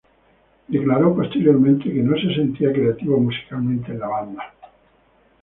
Él declaró posteriormente que "no se sentía creativo musicalmente" en la banda.